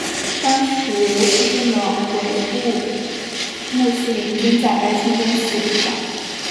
当时附近的回部穆斯林均在该清真寺礼拜。